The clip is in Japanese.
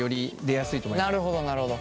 なるほどなるほど！